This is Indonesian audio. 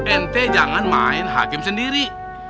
ente jangan main hakim sendiri